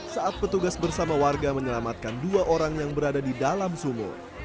saat petugas bersama warga menyelamatkan dua orang yang berada di dalam sumur